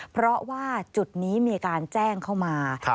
เพราะว่าจุดนี้มีการแจ้งเข้ามา